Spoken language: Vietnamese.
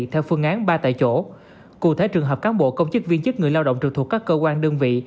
theo phương án ba tại chỗ cụ thể trường hợp cán bộ công chức viên chức người lao động trực thuộc các cơ quan đơn vị